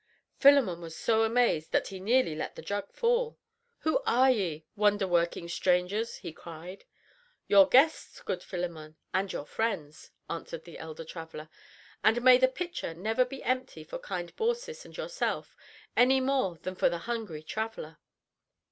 Philemon was so amazed that he nearly let the jug fall. "Who are ye, wonder working strangers?" he cried. "Your guests, good Philemon, and your friends," answered the elder traveler, "and may the pitcher never be empty for kind Baucis and yourself any more than for the hungry traveler."